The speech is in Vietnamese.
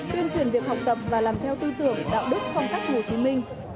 tuyên truyền việc học tập và làm theo tư tưởng đạo đức phong cách hồ chí minh